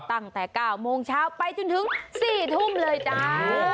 ตั้งแต่๙โมงเช้าไปจนถึง๔ทุ่มเลยจ้า